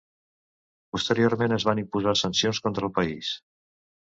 Posteriorment, es van imposar sancions contra el país.